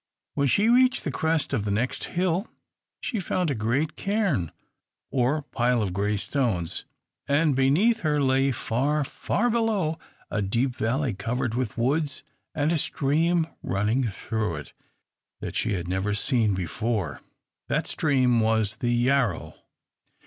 When she reached the crest of the next hill, she found a great cairn, or pile of grey stones; and beneath her lay, far, far below, a deep valley covered with woods, and a stream running through it that she had never seen before. That stream was the Yarrow.